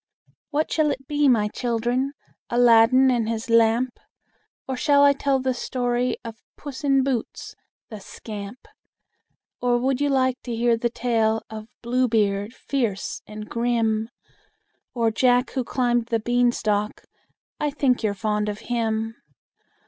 "What shall it be, my children? Aladdin and his Lamp? Or shall I tell the story Of Puss in Boots the scamp? Or would you like to hear the tale Of Blue Beard, fierce and grim? Or Jack who climbed the great beanstalk? I think you're fond of him.